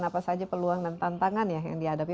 apa saja peluang dan tantangan yang dihadapi